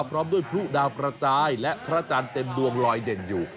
พร้อมด้วยพลุดาวกระจายและพระอาจารย์เต็มดวงลอยเด่นอยู่